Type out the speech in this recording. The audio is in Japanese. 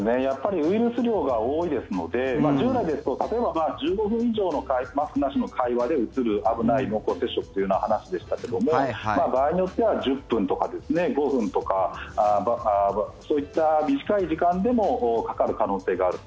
ウイルス量が多いですので従来ですと例えば１５分以上のマスクなしの会話でうつる、危ない濃厚接触という話でしたけど場合によっては１０分とか５分とかそういった短い時間でもかかる可能性があると。